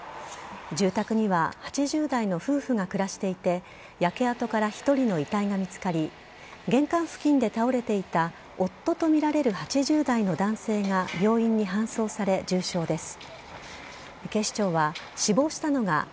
住宅には８０代の夫婦が暮らしていて焼け跡から１人の遺体が見つかり玄関付近で倒れていた夫とみられる８０代の男性が病院に搬送され、重傷です。